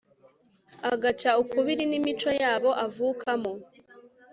agaca ukubiri n'imico y'abo avukamo